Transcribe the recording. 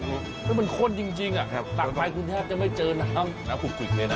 ก็เป็นข้นจริงจ้ะต่างไปชุนชาติจะไม่เจอน้ำน้ำคุกปลิกเลยน่ะ